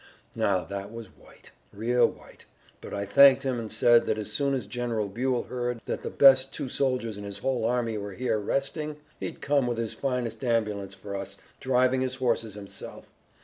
"Now, that was white, real white, but I thanked him and said that as soon as General Buell heard that the best two soldiers in his whole army were here resting, he'd come with his finest ambulance for us, driving his horses himself.